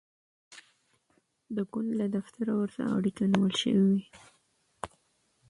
د ګوند له دفتره ورسره اړیکه نیول شوې وي.